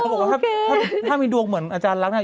บอกว่าถ้ามีดวงเหมือนอาจารย์รักเนี่ย